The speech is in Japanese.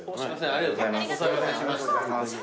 ありがとうございます。